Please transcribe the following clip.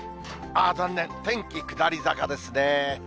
ああ、残念、天気下り坂ですね。